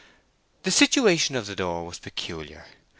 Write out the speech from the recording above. The situation of the door was peculiar.